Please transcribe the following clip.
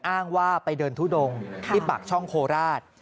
อ้างว่าไปเดินทุดงที่ปากช่องโคราช